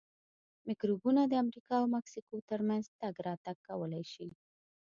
میکروبونه د امریکا او مکسیکو ترمنځ تګ راتګ کولای شي.